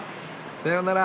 さようなら。